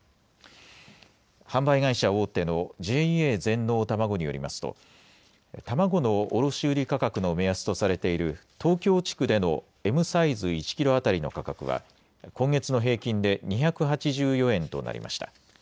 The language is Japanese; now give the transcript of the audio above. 販売会社大手のＪＡ全農たまごによりますと卵の卸売価格の目安とされている東京地区でのＭサイズ１キロ当たりの価格は今月の平均で２８４円となりました。